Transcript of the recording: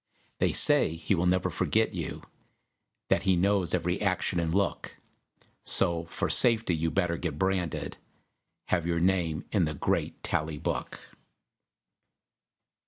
They say he will never forget you, That he knows every action and look; So, for safety, you'd better get branded, Have your name in the great Tally Book.